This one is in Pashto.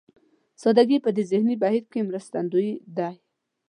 سادهګي په دې ذهني بهير کې مرستندوی دی.